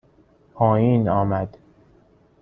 پایین آمد